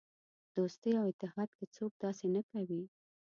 په دوستۍ او اتحاد کې څوک داسې نه کوي.